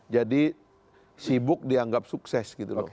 jadi sibuk dianggap sukses gitu loh